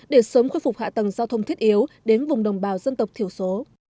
để sớm khôi phục hạ tầng giao thông thiết yếu đến vùng đồng bào dân tộc thiểu số